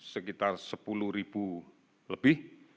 sekitar sepuluh lebih